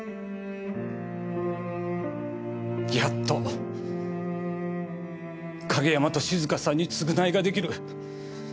やっと景山と静香さんに償いが出来る。